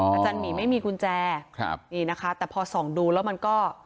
อาจารย์หมีไม่มีกุญแจครับนี่นะคะแต่พอส่องดูแล้วมันก็